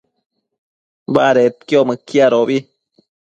badedquio mëquiadobi